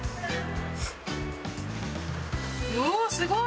おおすごい！